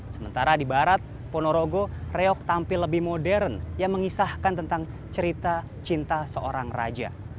sementara di barat ponorogo reok tampil lebih modern yang mengisahkan tentang cerita cinta seorang raja